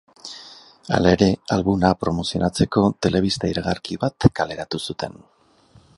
Hala ere, albuma promozionatzeko telebista iragarki bat kaleratu zuten.